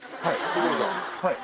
はい。